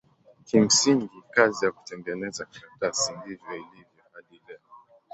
Kimsingi kazi ya kutengeneza karatasi ndivyo ilivyo hadi leo.